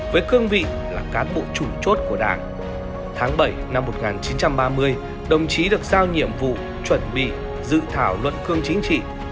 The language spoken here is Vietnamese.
với cương vị là cán bộ chủ chốt của đảng tháng bảy năm một nghìn chín trăm ba mươi đồng chí được giao nhiệm vụ chuẩn bị dự thảo luận cương chính trị